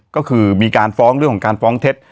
ก็คือมีการฟ้องเรื่องของการฟ้องเท็จ